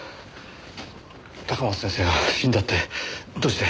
高松先生が死んだってどうして？